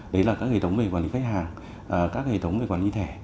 đấy là các hệ thống về quản lý khách hàng các hệ thống về quản lý thẻ